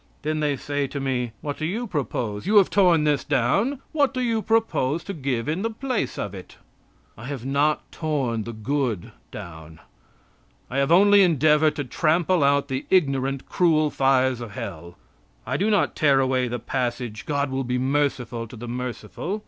Then they say to me: "What do you propose? You have torn this down; what do you propose to give in the place of it?" I have not torn the good down. I have only endeavored to trample out the ignorant, cruel fires of hell. I do not tear away the passage, "God will be merciful to the merciful."